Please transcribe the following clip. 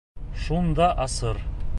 Шунда асыр.